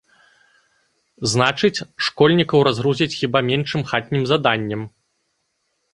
Значыць, школьнікаў разгрузяць хіба меншым хатнім заданнем.